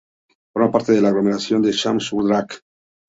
Forma parte de la aglomeración de Champ-sur-Drac.